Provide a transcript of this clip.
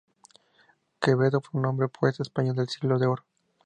Quevedo fue un hombre poeta español del sigo de oro.